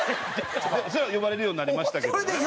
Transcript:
そのあと呼ばれるようになりましたけどね。